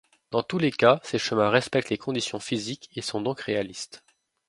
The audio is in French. Dans tous les cas ces chemins respectent les conditions physiques et sont donc réalistes.